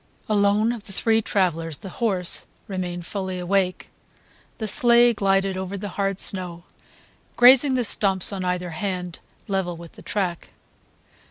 Alone of the three travellers the horse remained fully awake. The sleigh glided over the hard snow, grazing the stumps on either hand level with the track.